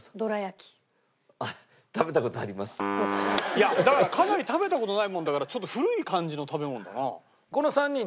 いやだからかなり食べた事ないもんだからちょっと古い感じの食べ物だなあ。